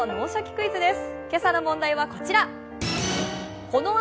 クイズ」です。